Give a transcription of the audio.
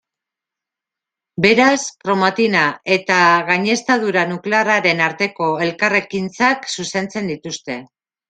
Beraz, kromatina eta gaineztadura nuklearraren arteko elkarrekintzak zuzentzen dituzte.